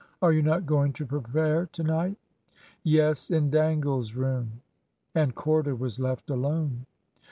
"Are you not going to prepare to night?" "Yes, in Dangle's room." And Corder was left alone.